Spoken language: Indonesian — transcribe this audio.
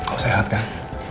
lo sehat kan